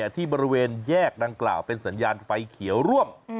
ที่บริเวณแยกดังกล่าวเป็นสัญญาณไฟเขียวร่วม